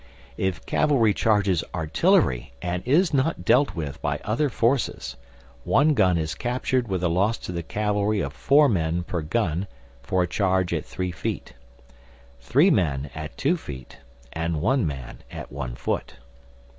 If cavalry charges artillery and is not dealt with by other forces, one gun is captured with a loss to the cavalry of four men per gun for a charge at three feet, three men at two feet, and one man at one foot.